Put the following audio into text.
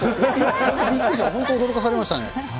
びっくりした、本当驚かされました。